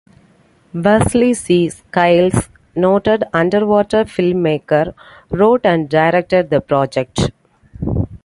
Wesley C. Skiles, noted underwater filmmaker, wrote and directed the project.